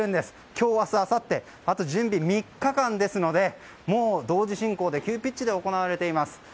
今日明日あさってあと準備３日間ですのでもう同時進行で急ピッチで行われています。